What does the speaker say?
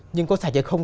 nhưng có sạch hay không